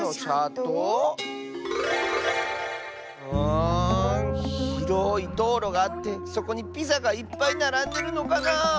あひろいどうろがあってそこにピザがいっぱいならんでるのかなあ。